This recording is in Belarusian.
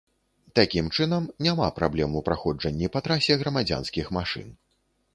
Такім чынам, няма праблем у праходжанні па трасе грамадзянскіх машын.